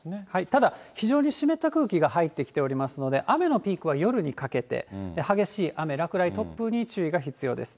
ただ非常に湿った空気が入ってきておりますので、雨のピークは夜にかけて、激しい雨、落雷、突風に注意が必要です。